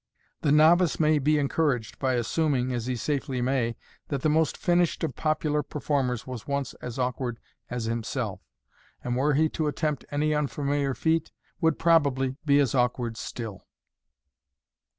The novice may be encouraged by assuming, as he safely may, that the most finished of popular per formers was once as awkward as himself, and were he to attempt any unfamiliar feat, would probably be as awkward still.